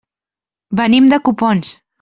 Venim de Copons.